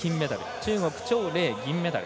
中国、張麗、銀メダル。